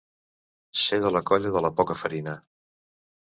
Ser de la colla de la poca farina.